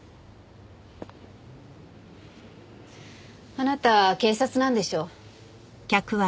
あなた警察なんでしょう？